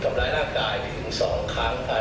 ภูมิโดยการโตประยบาททางตรฐานราชธรรม